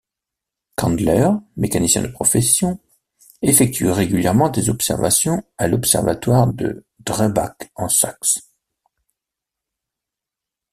Kandler, mécanicien de profession, effectue régulièrement des observations à l'observatoire de Drebach en Saxe.